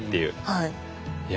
はい。